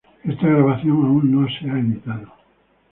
Esta grabación aún no se ha editado.